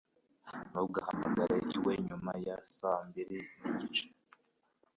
Ntugahamagare iwe nyuma ya saa mbiri n'igice